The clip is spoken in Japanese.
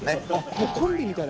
もうコンビみたいな。